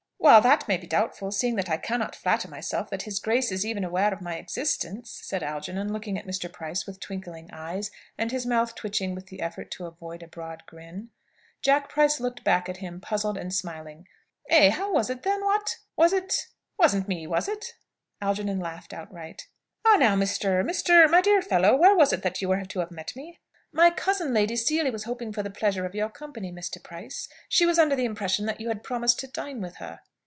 "Well, that may be doubtful, seeing that I cannot flatter myself that his Grace is even aware of my existence," said Algernon, looking at Mr. Price with twinkling eyes, and his mouth twitching with the effort to avoid a broad grin. Jack Price looked back at him, puzzled and smiling. "Eh? How was it then, what? Was it it wasn't me, was it?" Algernon laughed outright. "Ah now, Mr. Mr. my dear fellow, where was it that you were to have met me?" "My cousin, Lady Seely, was hoping for the pleasure of your company, Mr. Price. She was under the impression that you had promised to dine with her."